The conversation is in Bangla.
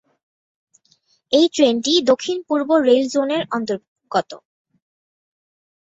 এই ট্রেনটি দক্ষিণ পূর্ব রেল জোনের অন্তর্গত।